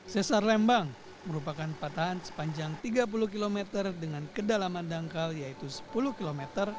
sesar lembang merupakan patahan sepanjang tiga puluh km dengan kedalaman dangkal yaitu sepuluh km